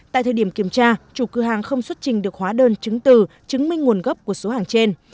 tại thời điểm kiểm tra chủ cửa hàng không xuất trình được hóa đơn chứng từ chứng minh nguồn gốc của số hàng trên